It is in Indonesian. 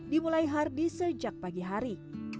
dimulai hardy sejak pagi hari